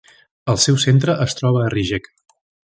El seu centre es troba a Rijeka.